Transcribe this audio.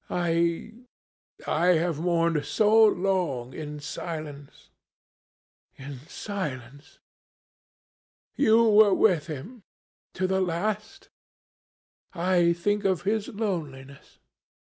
I I have mourned so long in silence in silence. ... You were with him to the last? I think of his loneliness.